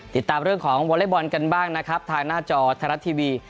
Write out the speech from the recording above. ติดตามเรื่องของวอเล็กบอลกันบ้างนะครับทางหน้าจอไทยรัฐทีวี